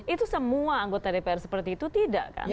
itu semua anggota dpr seperti itu tidak kan